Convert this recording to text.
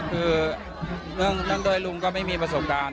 คือเนื่องด้วยลุงก็ไม่มีประสบการณ์